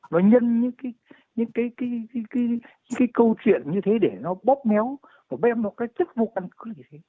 nói nhân những cái câu chuyện như thế để nó bóp méo bóp méo một cái chức vô căn cứ như thế